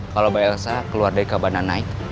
kalau mbak elsa keluar dari kabar nanti